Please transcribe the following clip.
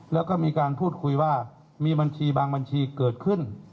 แล้วก็มีการพูดคุยว่ามีบัญชีบางบัญชีเกิดขึ้น